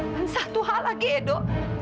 dan satu hal lagi edo